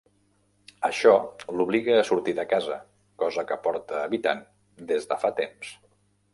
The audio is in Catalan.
Això l'obliga a sortir de casa, cosa que porta evitant des de fa temps.